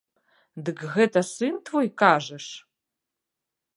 Дык гэта сын твой, кажаш?